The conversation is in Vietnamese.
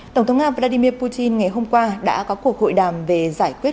tổng thống nga vladimir putin ngày hôm qua đã có cuộc hội đàm về giải quyết